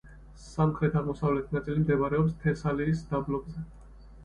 სამხრეთ-აღმოსავლეთი ნაწილი მდებარეობს თესალიის დაბლობზე.